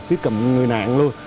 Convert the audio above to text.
tiếp cận người nạn luôn